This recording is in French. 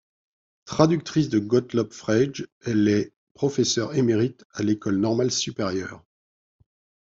Traductrice de Gottlob Frege, elle est professeure émérite à l'École normale supérieure.